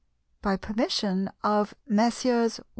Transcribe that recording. (By permission of MESSRS.